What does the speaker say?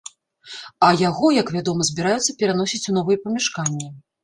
А яго, як вядома, збіраюцца пераносіць у новыя памяшканні.